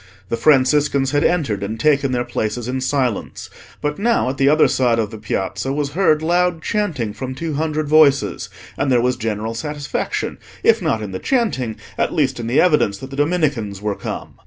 The Franciscans had entered and taken their places in silence. But now, at the other side of the Piazza was heard loud chanting from two hundred voices, and there was general satisfaction, if not in the chanting, at least in the evidence that the Dominicans were come.